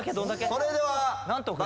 それでは。